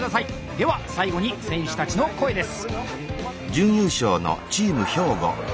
では最後に選手たちの声です。